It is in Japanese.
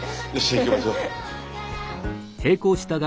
行きましょう。